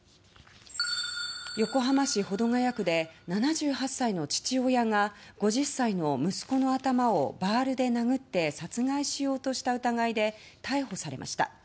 横浜市保土ケ谷区で７８歳の父親が５０歳の息子の頭をバールで殴って殺害しようとした疑いで逮捕されました。